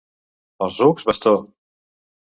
Als rucs, bastó.